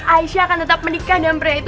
aisyah akan tetap menikahi dengan pria itu